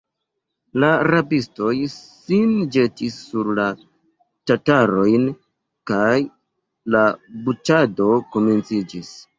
La rabistoj sin ĵetis sur la tatarojn, kaj la buĉado komenciĝis.